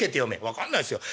「分かんないすよ。